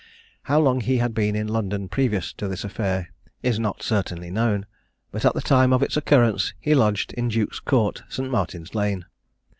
How long he had been in London previous to this affair is not certainly known; but at the time of its occurrence he lodged in Duke's court, St. Martin's lane.